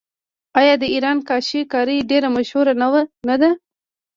آیا د ایران کاشي کاري ډیره مشهوره نه ده؟